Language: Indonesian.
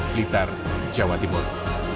blitar jawa timur